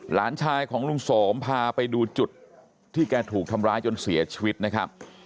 หลานชายของลุงโสมพาไปดูจุดที่แกถูกทำร้ายจนเสียชีวิตนะครับ